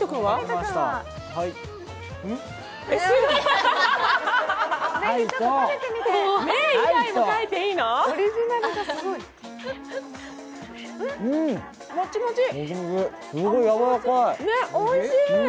はい。